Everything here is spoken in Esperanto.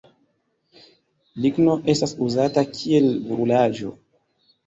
Ligno estas uzata kiel brulaĵo.